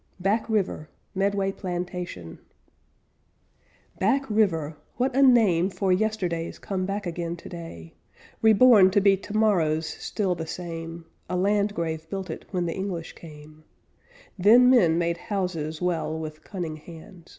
BACK RIVER "MEDWAY PLANTATION" Back River! What a name For yesterdays come back again today, Reborn to be tomorrows still the same A landgrave built it when the English came; Then men made houses well With cunning hands.